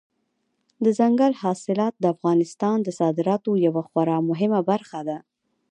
دځنګل حاصلات د افغانستان د صادراتو یوه خورا مهمه برخه ده.